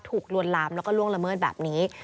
ลวนลามแล้วก็ล่วงละเมิดแบบนี้